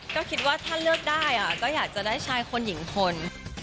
ก็คิดว่าถ้าเลือกได้ก็อยากจะได้ชายคนหญิงคน